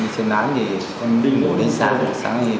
trên lát thì ngủ đến sáng sáng thì về